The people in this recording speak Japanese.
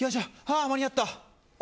ああ、間に合った。